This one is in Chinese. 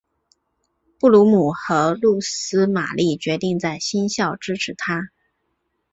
布卢姆和露丝玛丽决定在新校支持他。